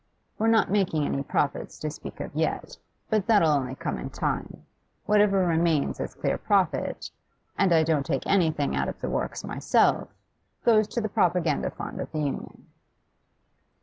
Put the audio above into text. We're not making any profits to speak of yet, but that'll only come in time; whatever remains as clear profit, and I don't take anything out of the works myself goes to the Propaganda fund of the Union.